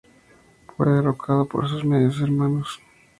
Fue derrocado por sus medios hermanos.